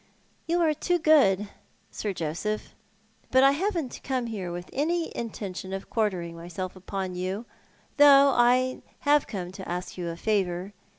"You are loo good, Sir Joseph; but I haven't come here with any intention of quartering myself upon you, though I have come to ask you a favour.